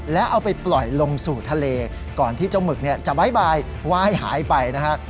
แล้วเอาไปปล่อยลงสู่ทะเลก่อนที่เจ้าหมึกเนี่ยจะบ๊ายบายว่าให้หายไปนะฮะ